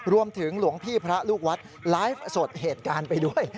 หลวงพี่พระลูกวัดไลฟ์สดเหตุการณ์ไปด้วย